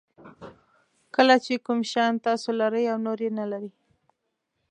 کله چې کوم شیان تاسو لرئ نور یې نه لري.